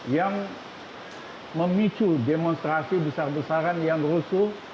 yang memicu demonstrasi besar besaran yang rusuh